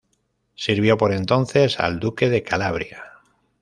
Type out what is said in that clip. Sirvió por entonces al Duque de Calabria.